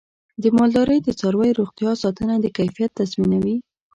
د مالدارۍ د څارویو روغتیا ساتنه د کیفیت تضمینوي.